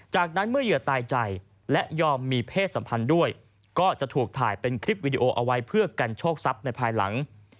จากนั้นเมื่อเหยื่อตายใจและยอมมีเพศสัมพันธ์ด้วยก็จะถูกถ่ายเป็นคลิปวิดีโอเอาไว้เพื่อกันโชคทรัพย์ในภายหลัง